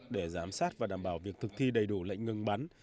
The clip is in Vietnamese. để giám sát và đảm bảo việc thực thi đầy đủ lệnh ngừng bắn